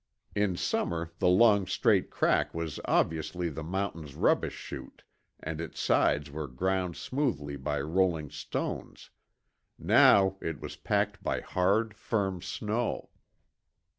In summer the long straight crack was obviously the mountain's rubbish shoot and its sides were ground smooth by rolling stones; now it was packed by hard, firm snow.